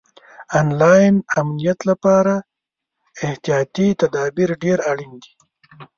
آنلاین امنیت لپاره احتیاطي تدابیر ډېر اړین دي.